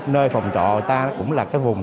nơi phòng trọ ta cũng là cái vùng